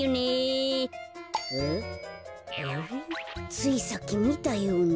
ついさっきみたような。